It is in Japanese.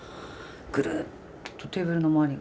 ぐるっとテーブルの周りに。